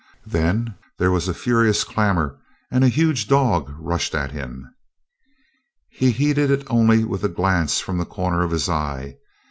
Then there was a furious clamor and a huge dog rushed at him. He heeded it only with a glance from the corner of his eye.